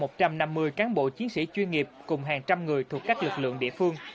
một trăm năm mươi cán bộ chiến sĩ chuyên nghiệp cùng hàng trăm người thuộc các lực lượng địa phương